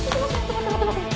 待って待って待って！